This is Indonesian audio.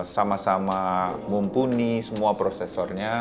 sama sama mumpuni semua prosesornya